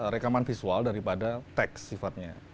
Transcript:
rekaman visual daripada teks sifatnya